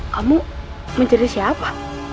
kamu mencari siapa